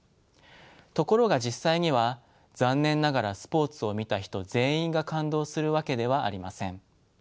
ところが実際には残念ながらスポーツを見た人全員が感動するわけではありません。